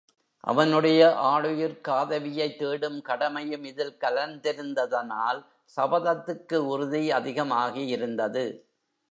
அவனுடைய ஆளுயிர்க் காதவியைத் தேடும் கடமையும் இதில் கலந்திருந்ததனால் சபதத்துக்கு உறுதி அதிகமாகி இருந்தது.